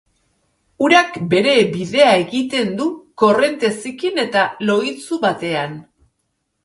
urak bere bidea egiten du korronte zikin eta lohitsu batean